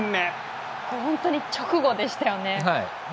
本当に直後でしたよね。